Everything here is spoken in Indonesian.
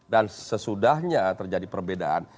dan sesudahnya terjadi perbedaan